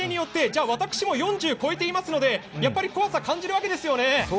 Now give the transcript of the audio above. じゃあ、私も４０を超えていますのでやっぱり怖さを感じるわけですね。